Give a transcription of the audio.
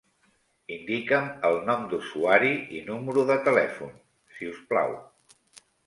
Indica'm el nom d'usuari i número de telèfon, si us plau.